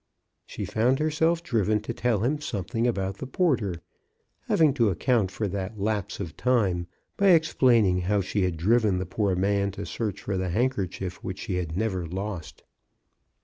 She found herself driven to tell him something about the porter, having to account for that lapse of time by explaining how she had driven the poor man to search for the handkerchief which she had never lost.